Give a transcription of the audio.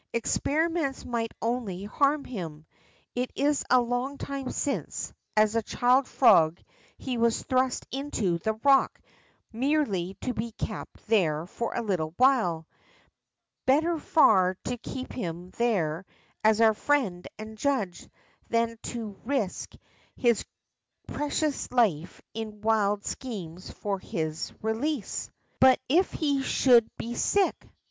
Experiments might only hann him. It is a long time since, as a child frog, he was thrust into the rock merely to be kept there for a little while. Better far to keep him there as our friend and judge than to risk his precious life in wild schemes for his release.'' But if he should be sick